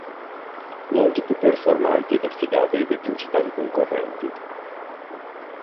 Molto più performanti ed affidabili dei principali concorrenti.